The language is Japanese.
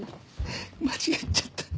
間違っちゃった。